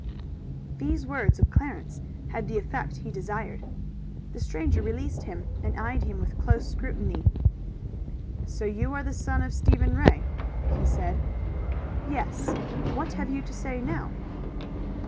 These words of Clarence had the effect he desired. The stranger released him, and eyed him with close scrutiny. "So you are the son of Stephen Ray?" he said. "Yes. What have you to say now?"